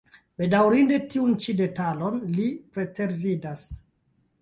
Bedaŭrinde, tiun ĉi detalon li pretervidas.